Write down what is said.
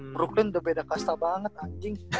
broklin udah beda kasta banget anjing